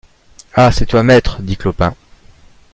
Ah! c’est toi, maître ! dit Clopin.